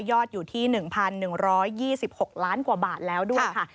อดอยู่ที่๑๑๒๖ล้านกว่าบาทแล้วด้วยค่ะ